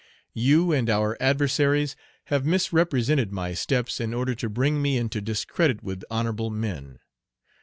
You and our adversaries have misrepresented my steps in order to bring me into discredit with honorable men.